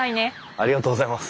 ありがとうございます。